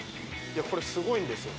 いやこれすごいんですよ